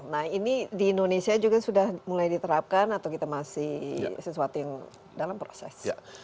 nah ini di indonesia juga sudah mulai diterapkan atau kita masih sesuatu yang dalam proses